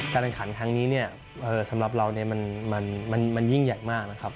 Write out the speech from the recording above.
การแข่งขันครั้งนี้เนี่ยสำหรับเรามันยิ่งใหญ่มากนะครับ